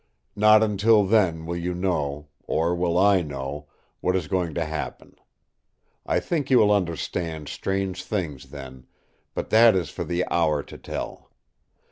"Not until then will you know or will I know what is going to happen. I think you will understand strange things then, but that is for the hour to tell.